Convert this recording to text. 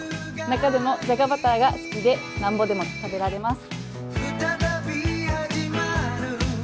中でもじゃがバターが好きで、なんぼでも食べられます。